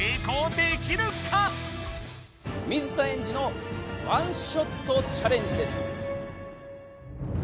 水田エンジのワンショットチャレンジです。